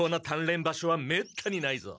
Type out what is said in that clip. れん場所はめったにないぞ。